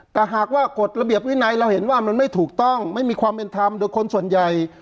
แต่หากว่ากฎระเบียบวินัยเราเห็นว่ามันไม่ถูกต้องไม่มีความเป็นธรรมโดยคนส่วนใหญ่